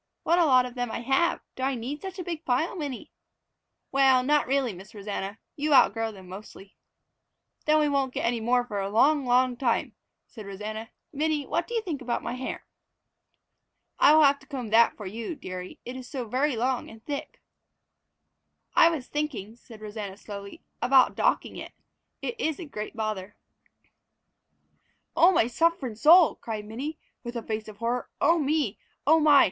"What a lot of them I have! Do I need such a big pile, Minnie?" "Well, not really, Miss Rosanna. You outgrow them mostly." "Then we won't get any more for a long, long time," said Rosanna. "Minnie, what do you think about my hair?" "I will have to comb that for you, dearie; it is so very long and thick." "I was thinking," said Rosanna slowly, "about docking it. It is a great bother." "Oh, my sufferin' soul!" cried Minnie, with a face of horror. "Oh me, oh my!